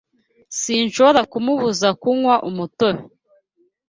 Sinshobora kumubuza kunywa umutobe